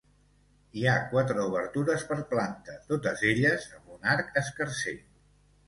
Hi ha quatre obertures per planta, totes elles amb un arc escarser.